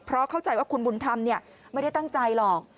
เพราะเข้าใจว่าคุณบุญธรรมไม่ได้ตั้งใจหรอก